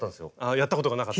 やったことがなかった？